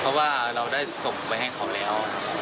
เพราะว่าเราได้ส่งไปให้เขาแล้ว